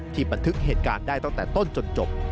บันทึกเหตุการณ์ได้ตั้งแต่ต้นจนจบ